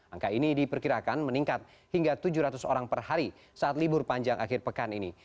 angka ini diperkirakan meningkat hingga tujuh ratus orang per hari saat libur panjang akhir pekan ini